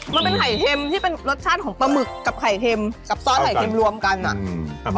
มันเป็นไข่เค็มที่เป็นรสชาติของปลาหมึกกับไข่เค็มกับซอสไข่เค็มรวมกันอ่ะอืม